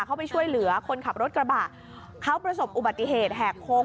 เข้าไปช่วยเหลือคนขับรถกระบะเขาประสบอุบัติเหตุแหกโค้ง